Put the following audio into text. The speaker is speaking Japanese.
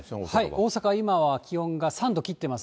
大阪、今は気温が３度切っています。